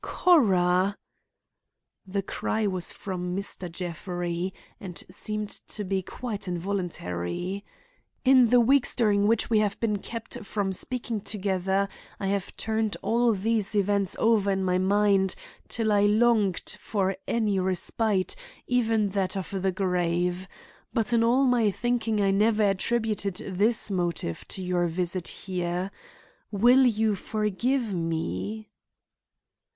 "Cora!" The cry was from Mr. Jeffrey, and seemed to be quite involuntary. "In the weeks during which we have been kept from speaking together I have turned all these events over in my mind till I longed for any respite, even that of the grave. But in all my thinking I never attributed this motive to your visit here. Will you forgive me?"